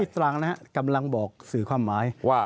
ตรังนะฮะกำลังบอกสื่อความหมายว่า